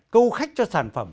câu khách cho sản phẩm